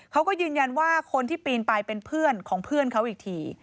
เขาก็ยืนยันว่าคนที่ปีนไปเป็นเพื่อนของเพื่อนเขาอีกที